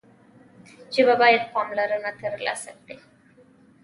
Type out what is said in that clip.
ژبه باید پاملرنه ترلاسه کړي.